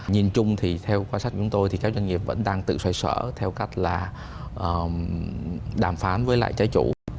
nhìn chung thì theo quan sát của chúng tôi thì các doanh nghiệp vẫn đang tự xoay sở theo cách là đàm phán với lại trái chủ